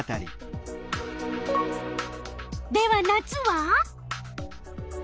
では夏は？